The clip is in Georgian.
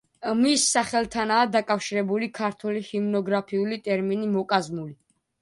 მის სახელთანაა დაკავშირებული ქართული ჰიმნოგრაფიული ტერმინი მოკაზმული.